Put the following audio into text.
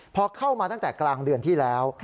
พอเข้ามาตั้งแต่กลางเดือนที่แล้ว